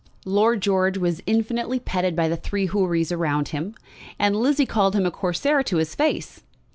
Lord George was infinitely petted by the three Houris around him, and Lizzie called him a Corsair to his face.